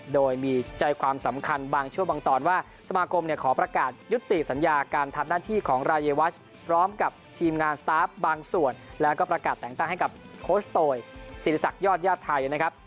โดยมีใจความสำคัญบางช่วงบางตอนว่าสมาคมเนี่ยขอประกาศยุติสัญญาการทำหน้าที่ของรายวัชพร้อมกับทีมงานสตาร์ฟบางส่วนแล้วก็ประกาศแต่งตั้งให้กับโคชโตยศิริษักยอดญาติไทยนะครับ